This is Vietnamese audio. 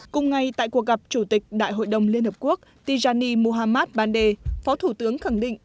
cùng ngày tại cuộc gặp chủ tịch đại hội đồng liên hợp quốc tijani muhammad bande phó thủ tướng khẳng định